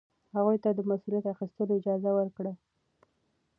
هغوی ته د مسؤلیت اخیستلو اجازه ورکړئ.